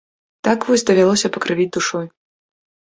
Так вось давялося пакрывіць душой.